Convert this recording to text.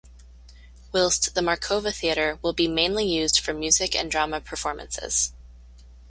Whilst the Markova Theatre will be mainly used for Music and Drama performances.